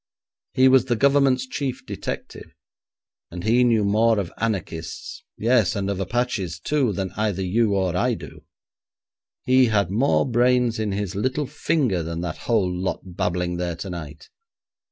He was the Government's chief detective, and he knew more of anarchists, yes, and of Apaches, too, than either you or I do. He had more brains in his little finger than that whole lot babbling there tonight.